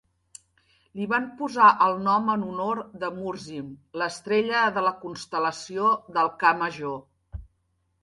Li van posar el nom en honor de Murzim, l'estrella de la constel·lació del Ca Major.